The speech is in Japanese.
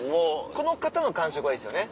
この方の感触はいいですよね